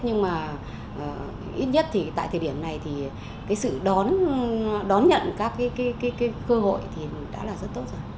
nhưng mà ít nhất thì tại thời điểm này thì cái sự đón nhận các cái cơ hội thì đã là rất tốt rồi